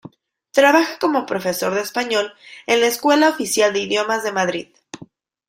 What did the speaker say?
Trabaja como profesor de español en la Escuela Oficial de Idiomas de Madrid.